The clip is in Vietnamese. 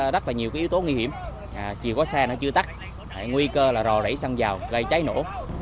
rất là nhiều cái yếu tố nguy hiểm chỉ có xe nó chưa tắt nguy cơ là rò đẩy xăng vào gây cháy nổ